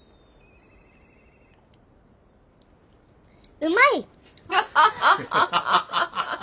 うまい！